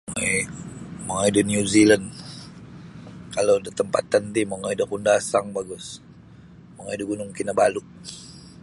Baik mongoi da New Zealand kalau da tempatan ti mongoi da Kundasang bagus mongoi da Gunung Kinabalu.